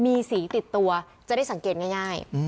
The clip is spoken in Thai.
มีสีติดตัวจะได้สังเกตง่าย